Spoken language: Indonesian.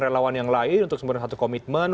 relawan yang lain untuk kemudian satu komitmen